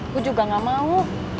gua juga gak mau